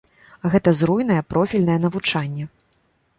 Гэта зруйнуе профільнае навучанне.